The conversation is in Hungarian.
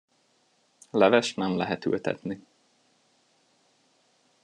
Levest nem lehet ültetni.